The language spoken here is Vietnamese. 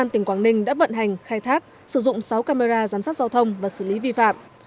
tỉnh quảng ninh đã vận hành khai thác sử dụng sáu camera giám sát giao thông và xử lý vi phạm